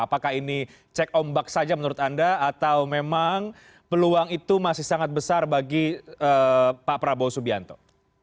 apakah ini cek ombak saja menurut anda atau memang peluang itu masih sangat besar bagi pak prabowo subianto